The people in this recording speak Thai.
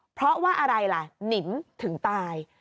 เพราะว่าอะไรล่ะนิมถึงตาย